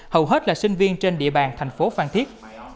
hầu hết là sinh viên trên địa bàn thành phố phan thiết